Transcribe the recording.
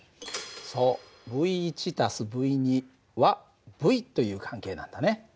そうＶ＋Ｖ＝Ｖという関係なんだね。